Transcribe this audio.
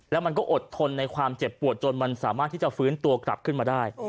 แล้วมันก็อดทนในความเจ็บปวดจนมันสามารถที่จะฟื้นตัวกลับขึ้นมาได้